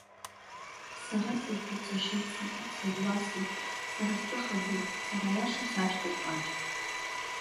Сара сагьуҵашьыцуам, сагьуацлабуам, сара стәы хазуп, сара аиаша сашьҭоуп, Маџь.